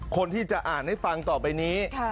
คนที่จะอ่านให้ฟังต่อไปนี้